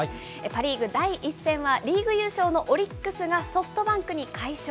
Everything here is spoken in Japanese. パ・リーグ第１戦はリーグ優勝のオリックスがソフトバンクに快勝。